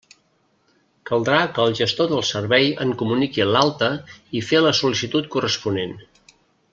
Caldrà que el gestor del servei en comuniqui l'alta i fer la sol·licitud corresponent.